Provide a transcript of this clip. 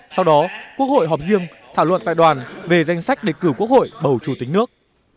sau đó quốc hội họp riêng thảo luận tại đoàn về danh sách để cử quốc hội bầu chủ tịch nước